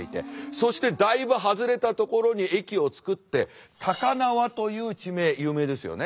そしてだいぶ外れた所に駅を造って高輪という地名有名ですよね。